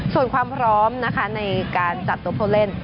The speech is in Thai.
ส่วนความพร้อมนะคะในการจัดตัวผู้เล่น